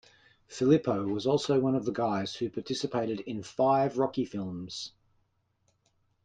Filippo was also one of the guys who participated in five Rocky films.